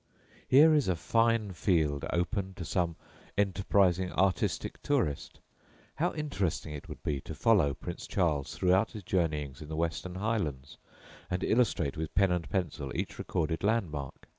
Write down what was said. Here is a fine field open to some enterprising artistic tourist. How interesting it would be to follow Prince Charles throughout his journeyings in the Western Highlands, and illustrate with pen and pencil each recorded landmark!